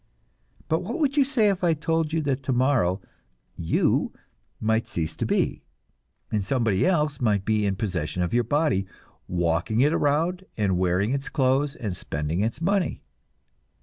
But what would you say if I told you that tomorrow "you" might cease to be, and somebody else might be in possession of your body, walking it around and wearing its clothes and spending its money?